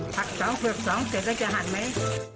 ผักสองเผือกสองเสร็จแล้วจะหัดไหม